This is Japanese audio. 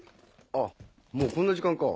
あっもうこんな時間か。